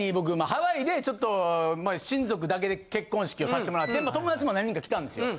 ハワイでちょっと親族だけで結婚式をさせてもらって友達も何人か来たんですよ。